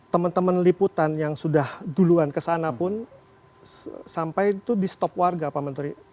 teman teman liputan yang sudah duluan kesana pun sampai itu di stop warga pak menteri